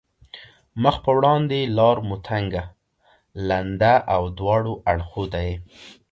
مخ په وړاندې لار مو تنګه، لنده او دواړو اړخو ته یې.